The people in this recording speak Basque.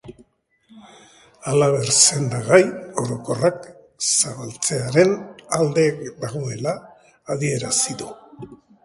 Halaber, sendagai orokorrak zabaltzearen alde dagoela adierazi du.